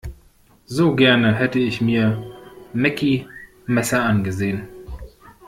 So gerne hätte ich mir Meckie Messer angesehen.